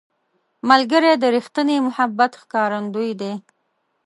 ملګری د ریښتیني محبت ښکارندوی دی